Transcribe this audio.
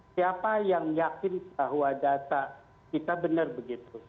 siapa yang yakin bahwa data kita benar begitu